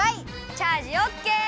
チャージオッケー！